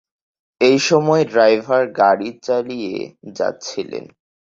এই সময়ে ড্রাইভার গাড়ি চালিয়ে যাচ্ছিলেন।